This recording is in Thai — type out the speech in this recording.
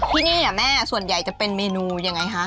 ที่นี่แม่ส่วนใหญ่จะเป็นเมนูยังไงคะ